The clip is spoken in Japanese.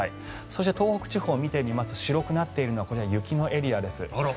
そして、東北地方を見てみますと白くなっているのは雪のエリア